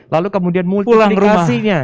lalu kemudian multi indikasinya